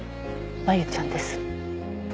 麻由ちゃんです。